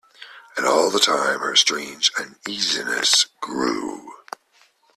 And all the time her strange uneasiness grew.